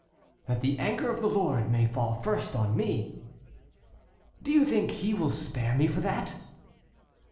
"That the anger of the Lord may fall first on me." "Do you think He will spare me for that?"